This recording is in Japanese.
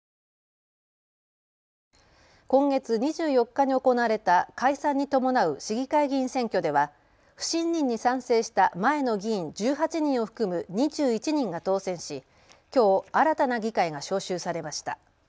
今月２４日に行われた解散に伴う市議会議員選挙では不信任に賛成した前の議員１８人を含む２１人が当選しきょう新たな議会が招集されました。